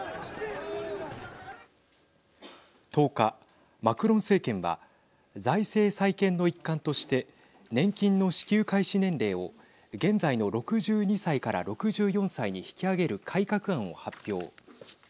１０日、マクロン政権は財政再建の一環として年金の支給開始年齢を現在の６２歳から６４歳に引き上げる改革案を発表。